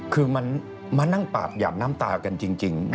คือมันมานั่งปากหยาบน้ำตากันจริง